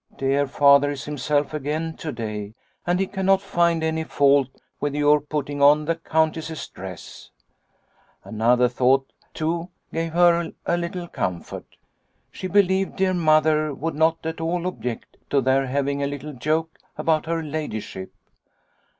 Dear Father is himself again to day and he cannot find any fault with your putting on theCountess's dress/ " Another thought too gave her a little comfort. She believed dear Mother would not at all object to their having a little joke about her ladyship.